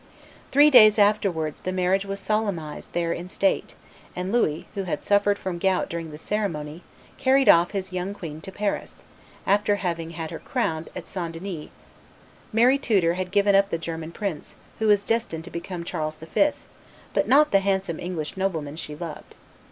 Three days afterwards the marriage was solemnized there in state, and Louis, who had suffered from gout during the ceremony, carried off his young queen to Paris, after having had her crowned at St. Denis Mary Tudor had given up the German prince, who was destined to become Charles V., but not the handsome English nobleman she loved.